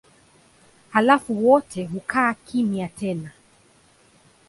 Halafu wote hukaa kimya tena.